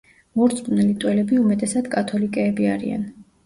მორწმუნე ლიტველები უმეტესად კათოლიკეები არიან.